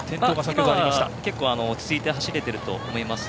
今は結構、落ち着いて走れていると思います。